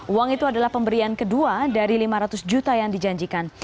uang itu adalah pemberian kedua dari lima ratus juta yang dijanjikan